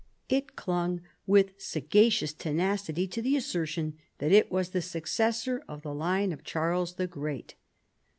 It clung with sagacious tenacity to the assertion that it was the successor of the line of Charles the Great.